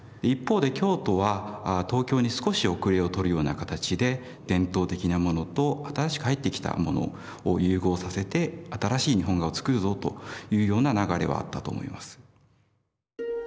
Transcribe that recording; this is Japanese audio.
一方で京都は東京に少し後れを取るような形で伝統的なものと新しく入ってきたものを融合させて新しい日本画を作るぞというような流れはあったと思います。